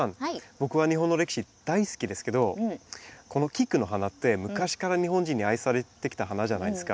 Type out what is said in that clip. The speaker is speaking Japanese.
僕は日本の歴史大好きですけどこのキクの花って昔から日本人に愛されてきた花じゃないですか。